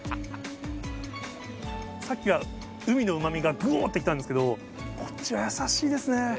さっきは海のうまみがぐおっときたんですけど、こっちは優しいですね。